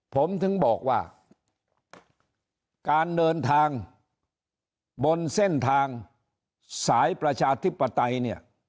ผมถึงบอกว่าการเดินทางบนเส้นทางสายประชาธิปไตยเนี่ย